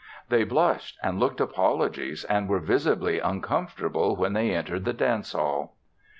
They blushed and looked apologies and were visibly uncomfortable when they entered the dance hall.